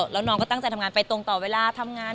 แล้วน้องก็ตั้งใจทำงานไปตรงต่อเวลาทำงาน